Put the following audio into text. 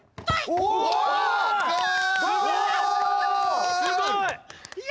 すごい！